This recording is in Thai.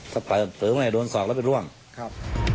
ถ้าเสริมไหลเดินศอกแล้วไปร่วงครับ